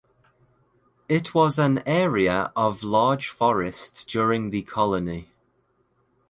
It was an area of large forests during the Colony.